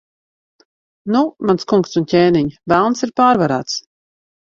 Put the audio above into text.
Nu, mans kungs un ķēniņ, Velns ir pārvarēts.